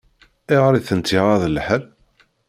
Ayɣer i tent-iɣaḍ lḥal?